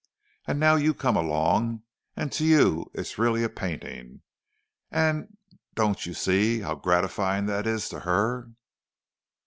And now you come along, and to you it's really a painting—and don't you see how gratifying that is to her?"